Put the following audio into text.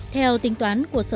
theo tính toán của sở